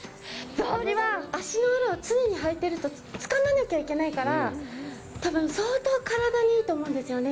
草履は、足の裏を、常に履いてるとつかまなきゃいけないから多分、相当体にいいと思うんですよね。